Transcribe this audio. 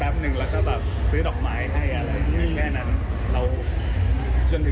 มาให้ใจ